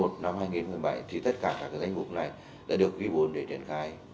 tháng một năm hai nghìn một mươi bảy thì tất cả các cái danh mục này đã được ghi vốn để triển khai